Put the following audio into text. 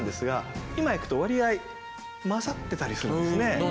今行くと割合交ざってたりするんですね。